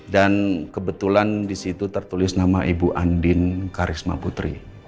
dan kebetulan di situ tertulis nama ibu andin karisma putri